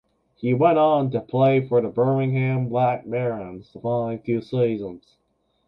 He went on to play for the Birmingham Black Barons the following two seasons.